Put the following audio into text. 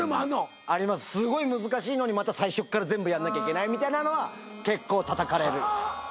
すごい難しいのにまた最初から全部やんなきゃいけないみたいなのは結構たたかれる。